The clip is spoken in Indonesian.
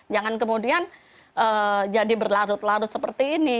jangan kemudian jadi berlarut larut seperti ini